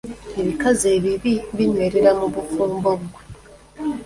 Ebikazi ebibi binywerera mu bufumbo gwe.